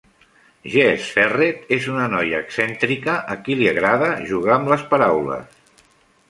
Jess Ferret és una noia excèntrica a qui li agrada jugar amb les paraules.